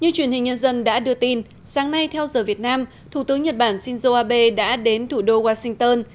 như truyền hình nhân dân đã đưa tin sáng nay theo giờ việt nam thủ tướng nhật bản shinzo abe đã đến thủ đô washington